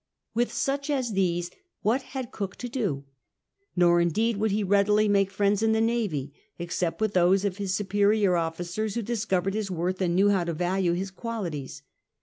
With such as these what had Cook to do ^ Nor, indeed, would he readily make friends in the navy, except with those of his superior officers who discovered his wcu'th and knew how to value his qualities.